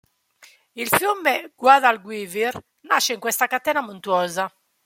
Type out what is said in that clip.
Il fiume Guadalquivir nasce in questa catena montuosa.